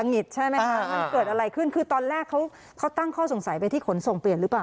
ใช่ไหมคะมันเกิดอะไรขึ้นคือตอนแรกเขาตั้งข้อสงสัยไปที่ขนส่งเปลี่ยนหรือเปล่า